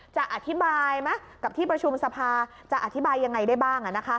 จะอธิบายไหมกับที่ประชุมสภาจะอธิบายยังไงได้บ้าง